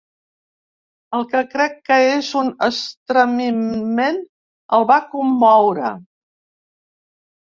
El que crec que és un estremiment el va commoure.